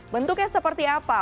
bentuknya seperti apa